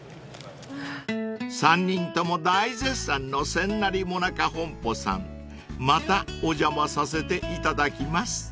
［３人とも大絶賛の千成もなか本舗さんまたお邪魔させていただきます］